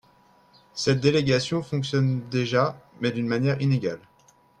Cette délégation fonctionne déjà, mais d’une manière inégale.